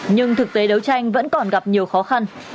nhưng thực tế đấu tranh vẫn còn gặp nhiều khó khăn